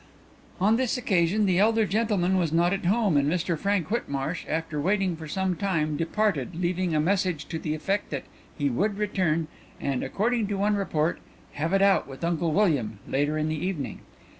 "'On this occasion the elder gentleman was not at home and Mr Frank Whitmarsh, after waiting for some time, departed, leaving a message to the effect that he would return, and, according to one report, "have it out with Uncle William," later in the evening.